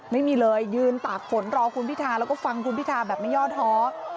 ไม่มีเลยยืนตากฝนรอคุณพิธาแล้วก็ฟังคุณพิธาแบบไม่ย่อท้อ